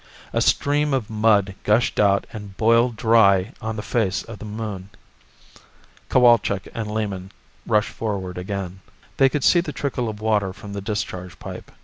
A stream of mud gushed out and boiled dry on the face of the Moon. Cowalczk and Lehman rushed forward again. They could see the trickle of water from the discharge pipe.